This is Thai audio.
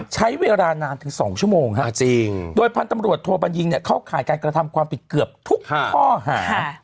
ใช้เวลานานถึง๒ชั่วโมงโดยพันธุ์ตำรวจโทบัญญิงเข้าข่ายการกระทำความผิดเกือบทุกข้อหา